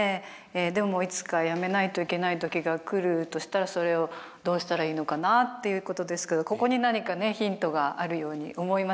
でもいつかやめないといけない時が来るとしたらそれをどうしたらいいのかなっていうことですけどここに何かねヒントがあるように思いますよね。